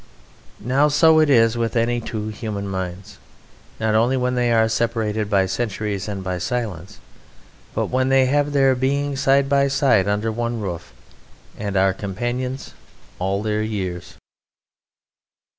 Now so it is with any two human minds, not only when they are separated by centuries and by silence, but when they have their being side by side under one roof and are companions all their years.